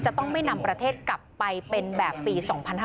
จะต้องไม่นำประเทศกลับไปเป็นแบบปี๒๕๕๙